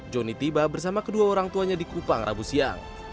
joni tiba bersama kedua orang tuanya di kupang rabu siang